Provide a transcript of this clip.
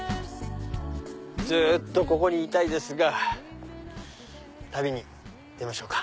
ずっとここにいたいですが旅に出ましょうか。